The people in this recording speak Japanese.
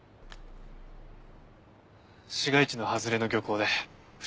市街地の外れの漁港で不審死体が。